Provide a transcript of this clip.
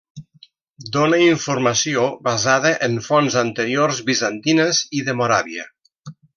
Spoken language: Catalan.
Dóna informació basada en fonts anteriors bizantines i de Moràvia.